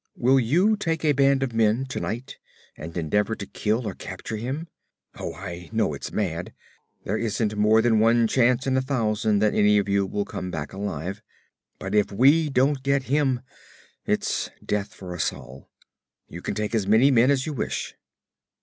Will you take a band of men tonight and endeavour to kill or capture him? Oh, I know it's mad. There isn't more than one chance in a thousand that any of you will come back alive. But if we don't get him, it's death for us all. You can take as many men as you wish.'